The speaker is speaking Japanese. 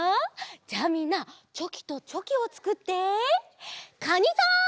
じゃあみんなチョキとチョキをつくってカニさん！